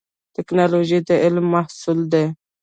ټکنالوژي د علم محصول دی